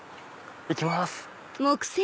行きます。